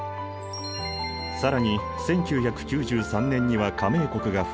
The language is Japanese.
更に１９９３年には加盟国が増え